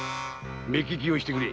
目利きをしてくれ。